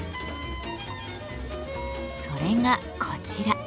それがこちら。